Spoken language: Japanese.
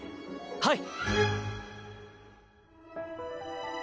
はい！